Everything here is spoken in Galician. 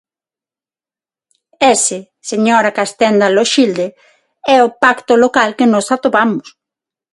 Ese, señora Castenda Loxilde, é o Pacto local que nós atopamos.